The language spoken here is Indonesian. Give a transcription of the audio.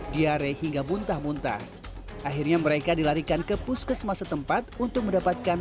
diare hingga muntah muntah akhirnya mereka dilarikan ke puskesmasa tempat untuk mendapatkan